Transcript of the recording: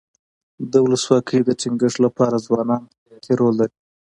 د ولسواکۍ د ټینګښت لپاره ځوانان حیاتي رول لري.